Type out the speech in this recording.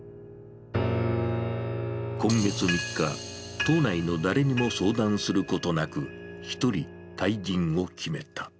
今月３日、党内の誰にも相談することなく、一人、退陣を決めた。